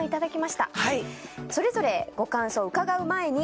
それぞれご感想を伺う前に。